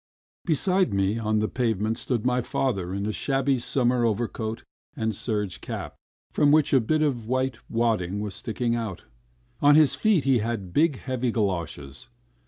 Beside me on the pavement stood my father in a shabby summer overcoat and a serge cap, from which a bit of white wadding was sticking out. On his feet he had big heavy goloshes.